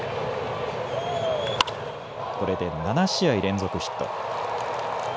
これで７試合連続ヒット。